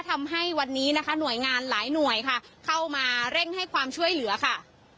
ทำให้วันนี้นะคะหน่วยงานหลายหน่วยค่ะเข้ามาเร่งให้ความช่วยเหลือค่ะ